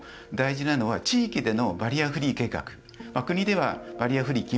そのためにも大事なのは地域でのバリアフリー計画。